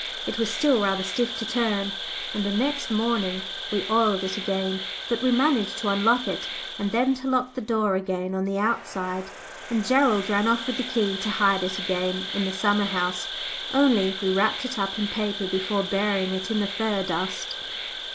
It was still rather stiff to turn and the next morning we oiled it again but we managed to unlock it, and then to lock the door again on the outside. And Gerald ran off with the key to hide it again in the summer house; only we wrapped it up in paper before burying it in the fir dust.